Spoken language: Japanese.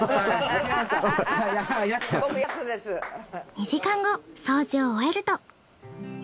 ２時間後掃除を終えると。